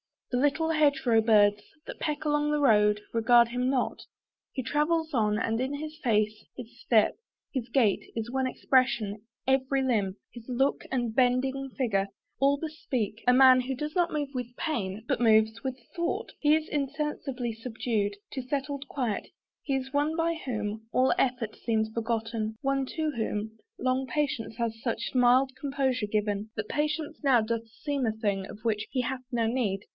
The little hedge row birds, That peck along the road, regard him not. He travels on, and in his face, his step, His gait, is one expression; every limb, His look and bending figure, all bespeak A man who does not move with pain, but moves With thought He is insensibly subdued To settled quiet: he is one by whom All effort seems forgotten, one to whom Long patience has such mild composure given, That patience now doth seem a thing, of which He hath no need.